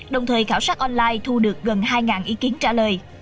đồng thời khảo sát online thu được gần hai ý kiến trả lời